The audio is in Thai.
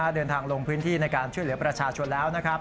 เดินทางลงพื้นที่ในการช่วยเหลือประชาชนแล้วนะครับ